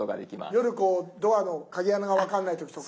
夜こうドアの鍵穴が分かんない時とか。